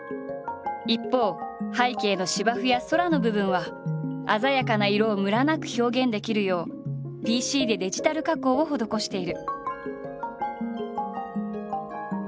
一方背景の芝生や空の部分は鮮やかな色をムラなく表現できるようＰＣでデジタル加工を施している。